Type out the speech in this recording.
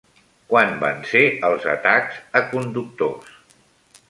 Quan van ser els atacs a conductors?